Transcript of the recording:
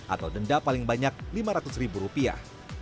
atau denda paling banyak lima ratus ribu rupiah